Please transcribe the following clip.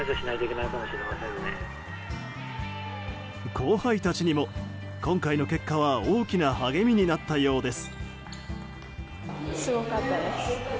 後輩たちにも今回の結果は大きな励みになったようです。